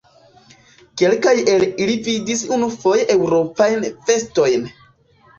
Kelkaj el ili vidis unuafoje Eŭropajn vestojn.